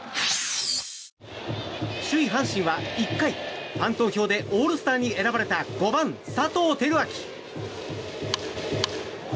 首位、阪神は１回ファン投票でオールスターに選ばれた５番、佐藤輝明。